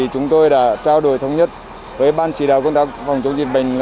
chúng tôi đã trao đổi thống nhất với ban chỉ đạo công tác phòng chống dịch bệnh